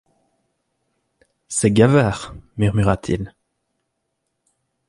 C’est Gavard… , murmura-t-il.